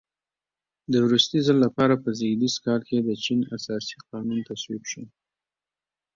د وروستي ځل لپاره په زېږدیز کال کې د چین اساسي قانون تصویب شو.